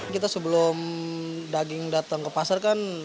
kita sebelum daging datang ke pasar kan